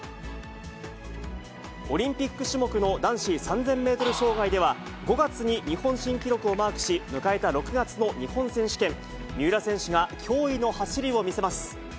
オリンピック種目の男子３０００メートル障害では、５月に日本新記録をマークし、迎えた６月の日本選手権、三浦選手が驚異の走りを見せます。